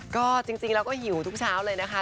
ก็จริงเราก็หิวทุกเช้าเลยนะคะ